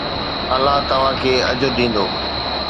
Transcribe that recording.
الله توهان کي اجر ڏيندو